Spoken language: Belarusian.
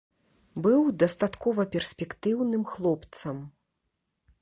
Быў дастаткова перспектыўным хлопцам.